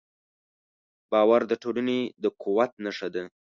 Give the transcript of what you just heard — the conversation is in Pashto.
باور د ټولنې د قوت نښه ده.